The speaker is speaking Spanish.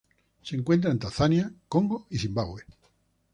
Se encuentra en Tanzania, Congo y Zimbabue.